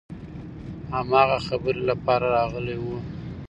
هماغه خبرې لپاره راغلي وو.